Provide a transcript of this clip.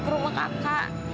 ke rumah kakak